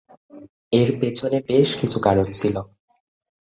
এর পেছনে বেশ কিছু কারণ ছিল।